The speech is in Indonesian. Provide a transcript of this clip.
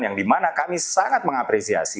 yang dimana kami sangat mengapresiasi